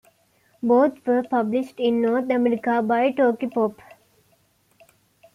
Both were published in North America by Tokyopop.